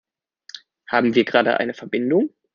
Haben wir gerade eine Verbindung?